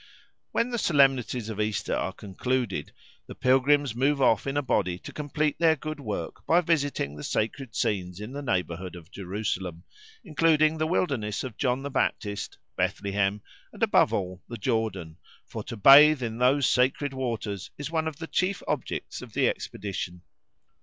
When the solemnities of Easter are concluded the pilgrims move off in a body to complete their good work by visiting the sacred scenes in the neighbourhood of Jerusalem, including the wilderness of John the Baptist, Bethlehem, and above all, the Jordan, for to bathe in those sacred waters is one of the chief objects of the expedition.